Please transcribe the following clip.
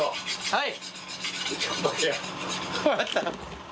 はい！